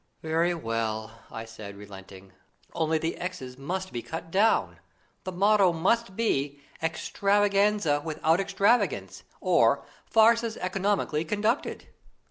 "Very well," I said, relenting. "Only the exes must be cut down. The motto must be, 'Extravaganza without extravagance, or farces economically conducted.'"